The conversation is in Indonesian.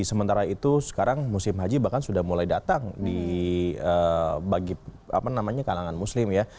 sementara itu sekarang musim haji bahkan sudah mulai datang bagi kalangan muslim ya